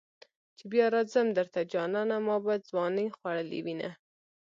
چې بیا راځم درته جانانه ما به ځوانی خوړلې وینه.